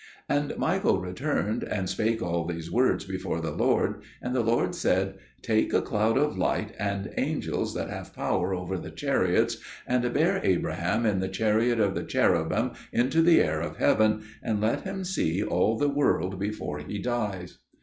'" And Michael returned and spake all these words before the Lord, and the Lord said, "Take a cloud of light and angels that have power over the chariots, and bear Abraham in the chariot of the cherubim into the air of heaven and let him see all the world before he dies."